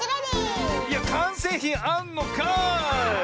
いやかんせいひんあんのかい！